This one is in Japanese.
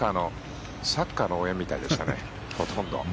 サッカーの応援みたいでしたね、ほとんど。